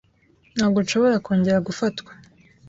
Ntabwo nshobora kongera gufatwa.